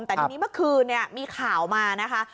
แต่ทีนี้เมื่อคืนมีข่าวมานะคะ